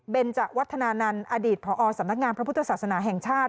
เป็นจวัฒนานันต์อดีตผอสำนักงานพระพุทธศาสนาแห่งชาติ